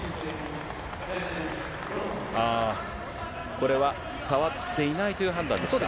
これは触っていないという判断ですか。